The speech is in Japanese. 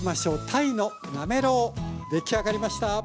鯛のなめろう出来上がりました。